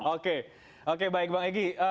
oke oke baik bang egy